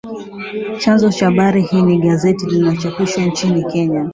Chanzo cha habari hii ni gazeti linalochapishwa nchini Kenya